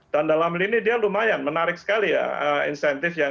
dan dalam lini dia lumayan menarik sekali ya